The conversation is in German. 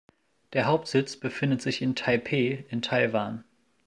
Der Hauptsitz befindet sich in Taipeh in Taiwan.